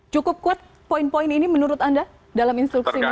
cukup kuat poin poin ini menurut anda dalam instruksi